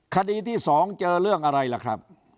คดีที่๒เจอเรื่องอะไรล่ะครับ